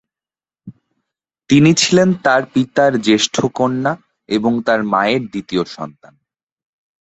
তিনি ছিলেন তার পিতার জ্যেষ্ঠ কন্যা এবং তার মায়ের দ্বিতীয় সন্তান।